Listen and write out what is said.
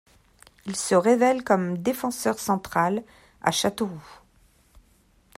Il se révèle comme défenseur central à Châteauroux.